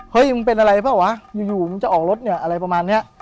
มึงเป็นอะไรเปล่าวะอยู่มึงจะออกรถเนี่ยอะไรประมาณเนี้ย